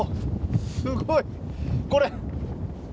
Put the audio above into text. すごい！これ！